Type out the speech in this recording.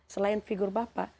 selain figur bapak